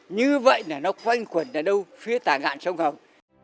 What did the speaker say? như vậy là nó quanh quần đến đâu phía tảng ngạn sông hồng